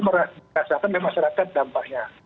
merasakan masyarakat dampaknya